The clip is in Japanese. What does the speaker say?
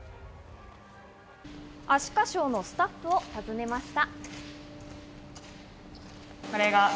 アシカショーのスタッフを訪ねました。